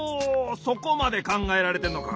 そこまでかんがえられてんのか。